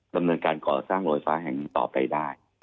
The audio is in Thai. ดำเนินการก่อสร้างโรงไฟฟ้าแห่งนี้ต่อไปได้